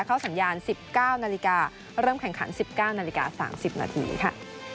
เข้าสัญญาณ๑๙นาฬิกาเริ่มแข่งขัน๑๙นาฬิกา๓๐นาทีค่ะ